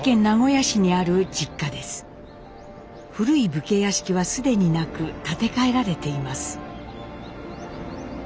古い武家屋敷は既になく建て替えられています。